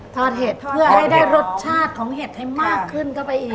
ทอดเห็ดเพื่อให้ได้รสชาติของเห็ดให้มากขึ้นเข้าไปอีก